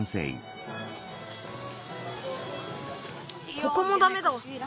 ここもダメだ。